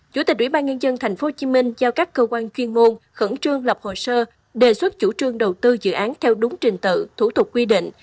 chủ tịch ubnd tp hcm giao các cơ quan chuyên môn khẩn trương lập hồ sơ đề xuất chủ trương đầu tư dự án theo đúng trình tự thủ tục quy định